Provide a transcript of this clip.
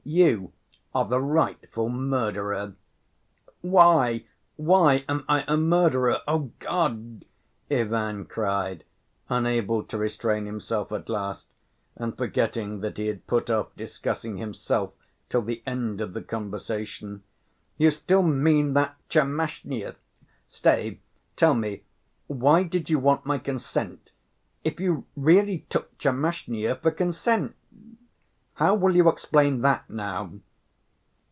You are the rightful murderer." "Why, why, am I a murderer? Oh, God!" Ivan cried, unable to restrain himself at last, and forgetting that he had put off discussing himself till the end of the conversation. "You still mean that Tchermashnya? Stay, tell me, why did you want my consent, if you really took Tchermashnya for consent? How will you explain that now?"